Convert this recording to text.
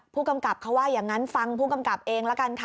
ผู้กำกับเขาว่าอย่างนั้นฟังผู้กำกับเองละกันค่ะ